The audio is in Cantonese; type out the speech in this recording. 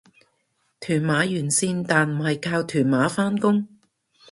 屯馬沿線但唔係靠屯馬返工